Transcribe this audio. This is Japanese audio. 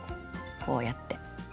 こうやって。